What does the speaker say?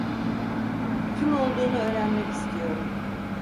Kim olduğunu öğrenmek istiyorum.